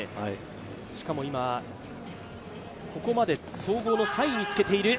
しかも今、ここまで総合の３位につけている。